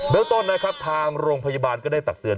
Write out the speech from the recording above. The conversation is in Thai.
เรื่องต้นนะครับทางโรงพยาบาลก็ได้ตักเตือน